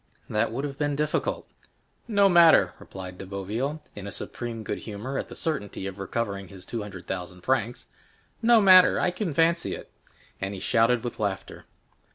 "That would have been difficult." "No matter," replied De Boville, in supreme good humor at the certainty of recovering his two hundred thousand francs,—"no matter, I can fancy it." And he shouted with laughter.